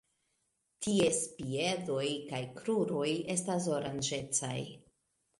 Ties piedoj kaj kruroj estas oranĝecaj.